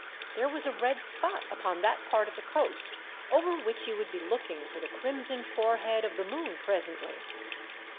There was a red spot upon that part of the coast over which you would be looking for the crimson forehead of the moon presently.